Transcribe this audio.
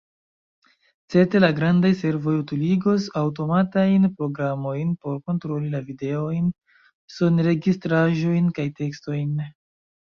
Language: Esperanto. Certe la grandaj servoj utiligos aŭtomatajn programojn por kontroli la videojn, sonregistraĵojn kaj tekstojn.